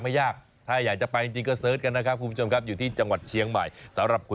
พอเขียนเมนูหน่อยจะฟังซัก